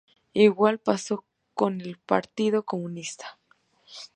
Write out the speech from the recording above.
Igual pasó con el Partido Comunista.